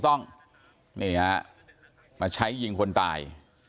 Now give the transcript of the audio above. ต้องใช้ยิงคนตาย